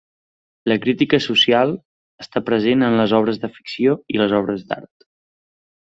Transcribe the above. La crítica social està present en les obres de ficció i les obres d'art.